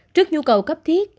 trước nhu cầu cấp thiết